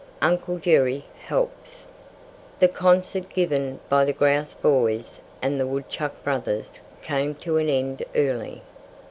UNCLE JERRY HELPS The concert given by the Grouse boys and the Woodchuck brothers came to an end early.